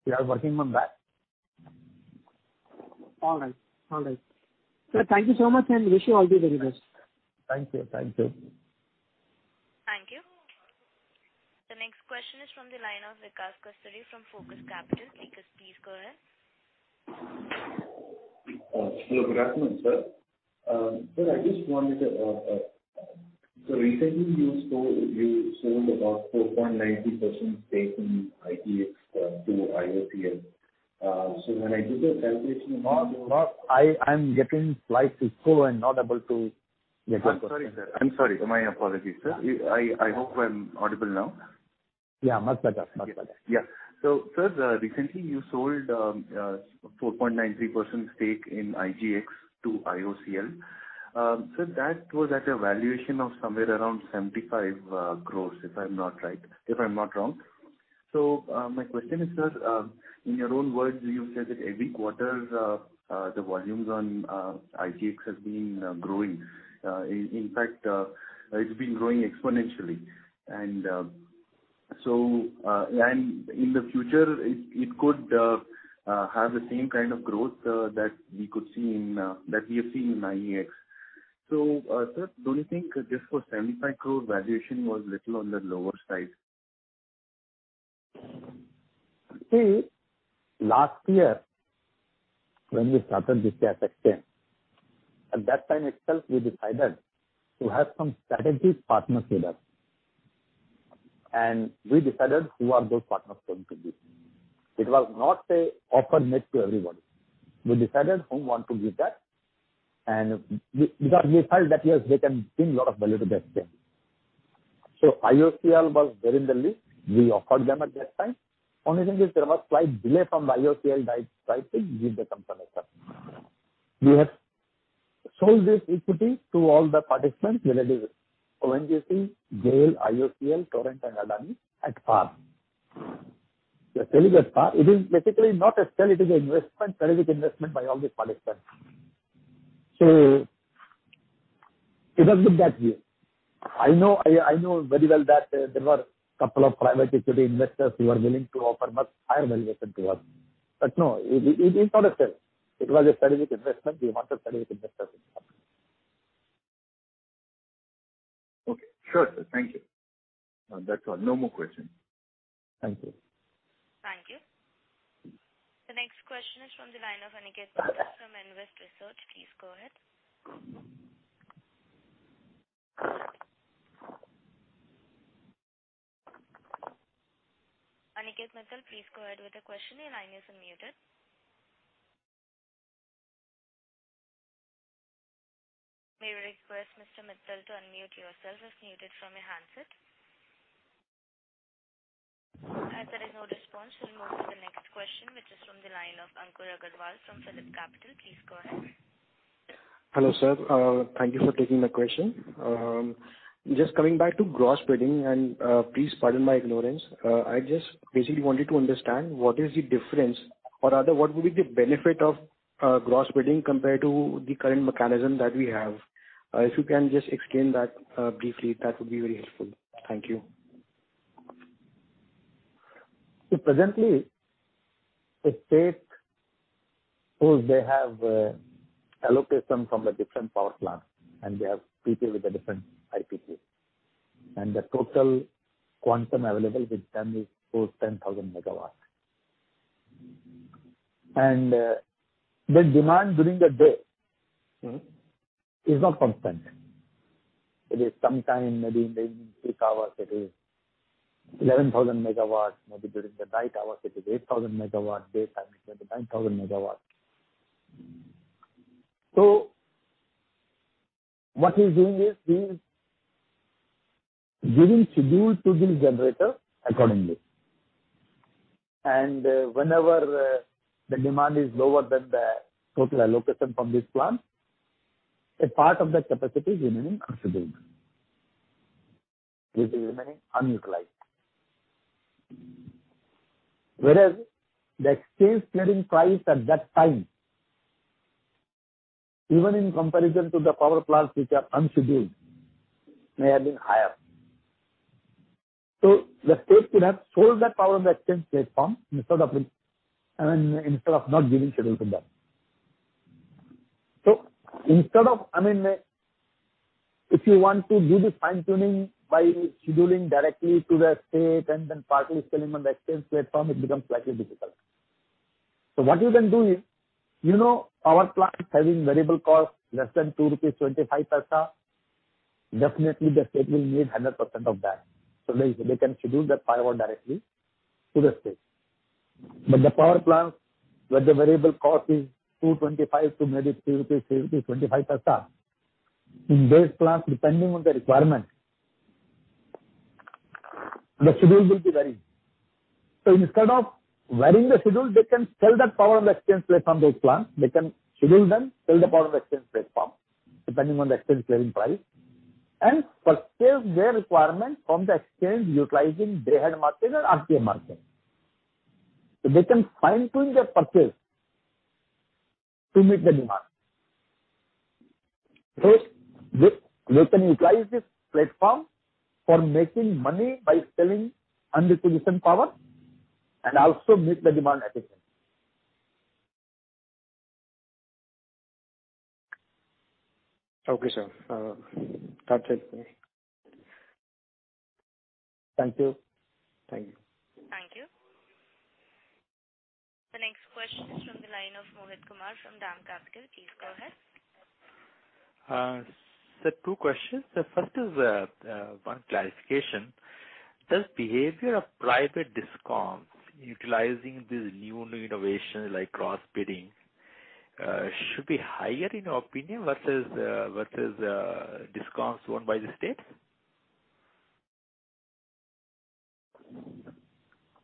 We are working on that. All right. Sir, thank you so much, and I wish you all the very best. Thank you. Thank you. Thank you. The next question is from the line of Vikas Kasturi from Focus Capital. Vikas, please go ahead. Hello. Good afternoon, sir. Sir, recently you sold about 4.90% stake in IGX to IOCL. When I did the calculation- No, no. I'm getting slight echo and not able to get your question. I'm sorry, sir. My apologies, sir. I hope I'm audible now. Yeah, much better. Much better. Yeah. Sir, recently you sold 4.93% stake in IGX to IOCL. That was at a valuation of somewhere around 75 crore, if I'm not wrong. My question is, sir, in your own words, you said that every quarter the volumes on IGX has been growing. In fact, it's been growing exponentially. In the future, it could have the same kind of growth that we have seen in IEX. Sir, don't you think just for 75 crore valuation was little on the lower side? See, last year when we started this exchange, at that time itself, we decided to have some strategic partners with us. We decided who are those partners going to be. It was not, say, open to everybody. We decided whom we want to give that. Because we felt that, yes, they can bring a lot of value to the exchange. IOCL was there in the list. We offered them at that time. Only thing is there was slight delay from the IOCL side to give the confirmation. We have sold this equity to all the participants, whether it is ONGC, GAIL, IOCL, Torrent, and Adani at par. We are selling at par. It is basically not a sale. It is an investment, strategic investment by all these participants. It was good that way. I know very well that there were couple of private equity investors who are willing to offer much higher valuation to us. No, it is not a sale. It was a strategic investment. We want a strategic investor in the company. Okay. Sure, sir. Thank you. That's all. No more questions. Thank you. Thank you. The next question is from the line of Aniket Mittal from Invest Research. Please go ahead. Aniket Mittal, please go ahead with your question. Your line is unmuted. May we request Mr. Mittal to unmute yourself. It's muted from your handset. As there is no response, we'll move to the next question, which is from the line of Ankush Agrawal from PhillipCapital. Please go ahead. Hello, sir. Thank you for taking my question. Just coming back to Cross Bidding, and please pardon my ignorance. I just basically wanted to understand what is the difference or rather what will be the benefit of Cross Bidding compared to the current mechanism that we have? If you can just explain that briefly, that would be very helpful. Thank you. Presently, the state, suppose they have allocation from the different power plants, and they have PPAs with the different IPPs. The total quantum available with them is, suppose, 10,000 MW. The demand during the day- Mm-hmm. It is not constant. It is sometimes maybe in the peak hours it is 11,000 MW. Maybe during the night hours it is 8,000 MW. Daytime it is 9,000 MW. What we're doing is we giving schedule to the generator accordingly. Whenever the demand is lower than the total allocation from this plant, a part of that capacity is remaining unscheduled. It is remaining unutilized. Whereas the exchange clearing price at that time, even in comparison to the power plants which are unscheduled, may have been higher. The state could have sold that power on the exchange platform instead of, I mean, instead of not giving schedule to them. Instead of, I mean, if you want to do the fine-tuning by scheduling directly to the state and then partly selling on the exchange platform, it becomes slightly difficult. What you can do is, you know, power plants having variable cost less than 2.25 rupees, definitely the state will need 100% of that. They can schedule that power directly to the state. The power plant where the variable cost is 2.25 to maybe 3.55, in those plants, depending on the requirement, the schedule will be varying. Instead of varying the schedule, they can sell that power on the exchange platform, those plants. They can schedule, then sell the power on the exchange platform, depending on the exchange clearing price. Purchase their requirement from the exchange utilizing day-ahead market or RTM market. They can fine-tune their purchase to meet the demand. They can utilize this platform for making money by selling under utilization power and also meet the demand efficiently. Okay, sir. Got it. Thank you. Thank you. Thank you. The next question is from the line of Mohit Kumar from DAM Capital. Please go ahead. Sir, two questions. The first is one clarification. Does behavior of private DISCOMs utilizing this new innovation like cross-bidding should be higher in your opinion versus DISCOMs owned by the states?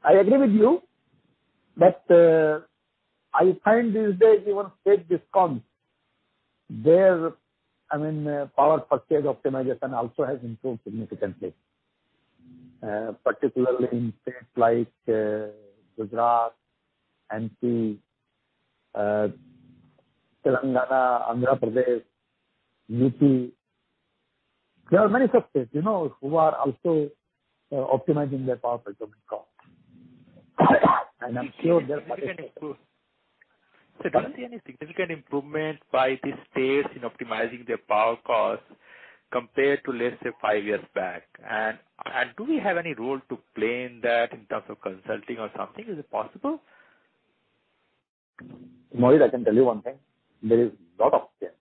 I agree with you, but I find these days even state discoms, their, I mean, power purchase optimization also has improved significantly, particularly in states like Gujarat, MP, Telangana, Andhra Pradesh, UP. There are many such states, you know, who are also optimizing their power procurement cost. I'm sure their purchases- Sir, do you see any significant improvement by the states in optimizing their power cost compared to, let's say, five years back? Do we have any role to play in that in terms of consulting or something? Is it possible? Mohit, I can tell you one thing. There is lot of change.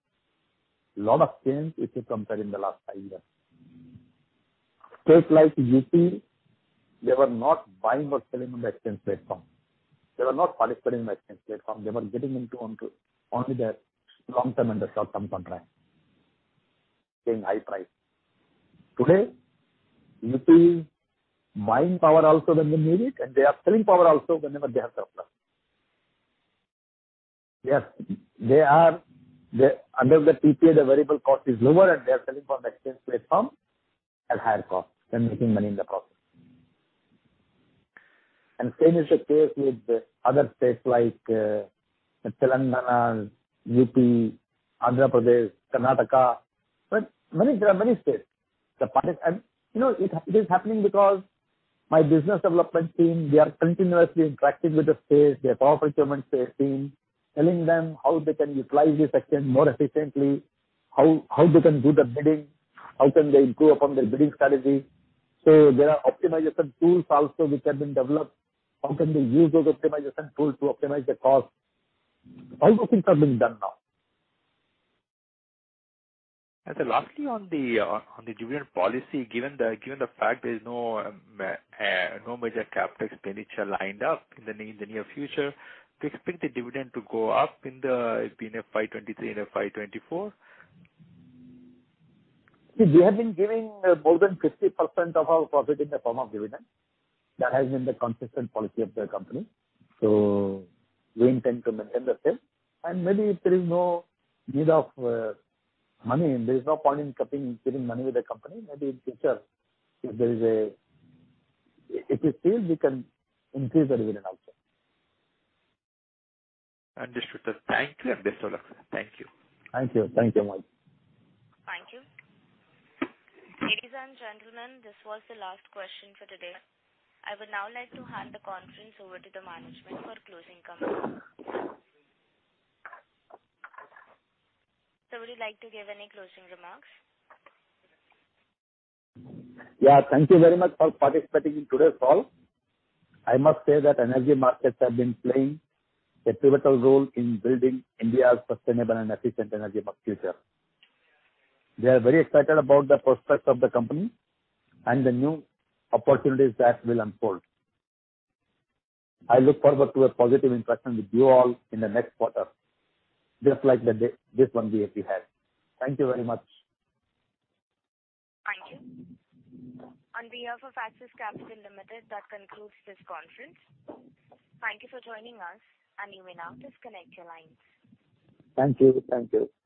Lot of change if you compare in the last five years. States like UP, they were not buying or selling on the exchange platform. They were not participating in the exchange platform. They were getting into only the long-term and the short-term contract in high price. Today, UP is buying power also when they need it, and they are selling power also whenever they have surplus. Yes, they are under the PPA, the variable cost is lower, and they are selling from the exchange platform at higher cost and making money in the process. Same is the case with other states like Telangana, UP, Andhra Pradesh, Karnataka. But there are many states. You know, it is happening because my business development team, they are continuously interacting with the states, their power procurement sales team, telling them how they can utilize this exchange more efficiently, how they can do the bidding, how can they improve upon their bidding strategy. There are optimization tools also which have been developed. How can they use those optimization tools to optimize their cost? All those things are being done now. Then lastly on the dividend policy, given the fact there is no major capital expenditure lined up in the near future, do you expect the dividend to go up in the FY 2023 and FY 2024? See, we have been giving more than 50% of our profit in the form of dividend. That has been the consistent policy of the company, so we intend to maintain the same. Maybe if there is no need of money, there is no point in keeping money with the company. Maybe in future, if we feel, we can increase the dividend also. Understood, sir. Thank you. I'm just all up, sir. Thank you. Thank you. Thank you, Mohit. Thank you. Ladies and gentlemen, this was the last question for today. I would now like to hand the conference over to the management for closing comments. Sir, would you like to give any closing remarks? Yeah, thank you very much for participating in today's call. I must say that energy markets have been playing a pivotal role in building India's sustainable and efficient energy market future. We are very excited about the prospects of the company and the new opportunities that will unfold. I look forward to a positive interaction with you all in the next quarter, just like this one we had. Thank you very much. Thank you. On behalf of Axis Capital Limited, that concludes this conference. Thank you for joining us, and you may now disconnect your lines. Thank you. Thank you.